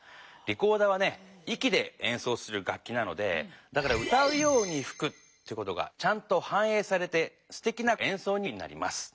リコーダーはねいきでえんそうする楽きなのでだから歌うようにふくということがちゃんとはんえいされてすてきなえんそうになります。